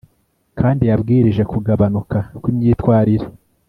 kandi yabwirije kugabanuka kwimyitwarire